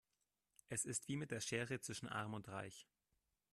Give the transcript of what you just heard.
Es ist wie mit der Schere zwischen arm und reich.